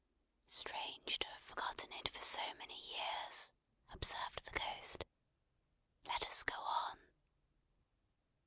"Strange to have forgotten it for so many years!" observed the Ghost. "Let us go on."